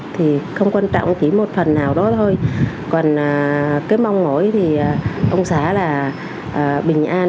thì không quan trọng chỉ một phần nào đó thôi còn cái mong muốn thì ông xá là bình an